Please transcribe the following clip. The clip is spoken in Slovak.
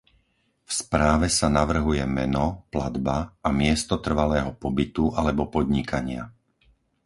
V správe sa navrhuje meno, platba a miesto trvalého pobytu alebo podnikania.